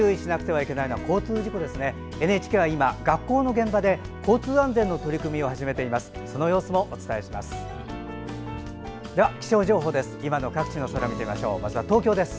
ＮＨＫは今、学校現場で交通安全の取り組みを始めています。